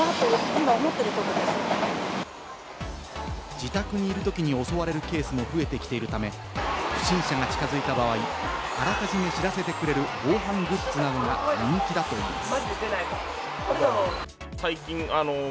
自宅にいるときに襲われるケースも増えてきているため、不審者が近づいた場合、予め知らせてくれる防犯グッズなどが人気だといいます。